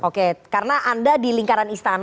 oke karena anda di lingkaran istana